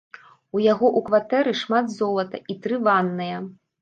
У яго у кватэры шмат золата і тры ванныя.